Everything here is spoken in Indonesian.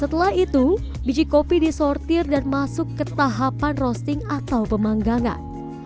setelah itu biji kopi disortir dan masuk ke tahapan roasting atau pemanggangan